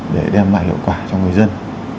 để đem lại hiệu quả cho người dân